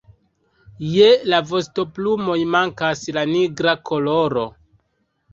Je la vostoplumoj mankas la nigra koloro.